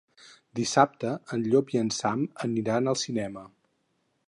Dissabte en Llop i en Sam aniran al cinema.